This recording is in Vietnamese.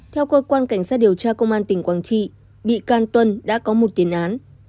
theo cơ quan cảnh sát điều tra công an tỉnh quảng trị bị can tuân đã có một tiền án